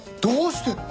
「どうして？」